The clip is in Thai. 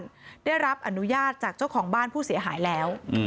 ได้รับอนุญาตจากเจ้าของบ้านผู้เสียหายแล้ว